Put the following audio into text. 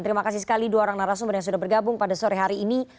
terima kasih sekali dua orang narasumber yang sudah bergabung pada sore hari ini